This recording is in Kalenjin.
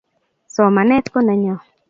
Somanet ko nenyo